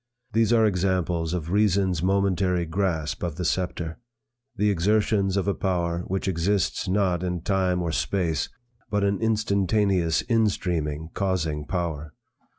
These are examples of Reason's momentary grasp of the sceptre; the exertions of a power which exists not in time or space, but an instantaneous in streaming causing power.